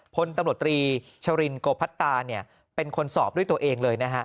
พลตำรวจตรีชรินโกพัตตาเนี่ยเป็นคนสอบด้วยตัวเองเลยนะฮะ